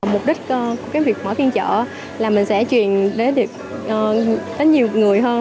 mục đích của cái việc mở phiên chợ là mình sẽ truyền đến nhiều người hơn